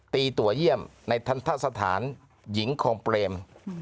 ตัวเยี่ยมในทันทะสถานหญิงคองเปรม